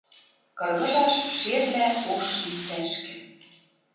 Кыргыжаш шерлӓ ош лицӓшкӹ.